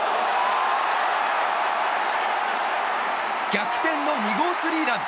逆転の２号スリーラン！